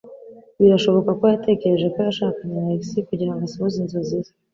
Birashoboka ko yatekereje ko yashakanye na Alex kugirango asohoze inzozi ze.